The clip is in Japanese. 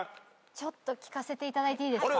ちょっと聞かせていただいていいですか？